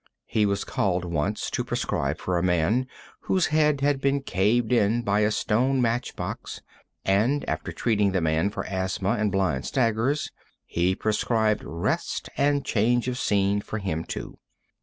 He was called once to prescribe for a man whose head had been caved in by a stone match box, and, after treating the man for asthma and blind staggers, he prescribed rest and change of scene for him, too.